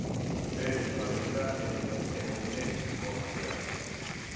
Es una avenida eminentemente comercial.